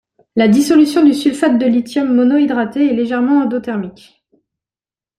La dissolution du sulfate de lithium monohydraté est légèrement endothermique.